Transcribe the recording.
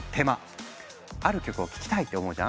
ある曲を聴きたいって思うじゃん？